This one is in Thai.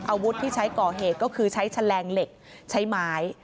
อาวุธที่ใช้ก่อเหตุก็คือใช้แฉลงเหล็กใช้ไม้